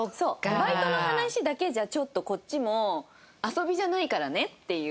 バイトの話だけじゃちょっとこっちも遊びじゃないからねっていう。